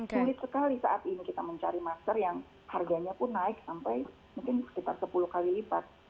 sulit sekali saat ini kita mencari masker yang harganya pun naik sampai mungkin sekitar sepuluh kali lipat